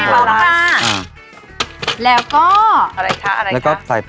ใช่เอามาซัก๒ก็ได้ครับ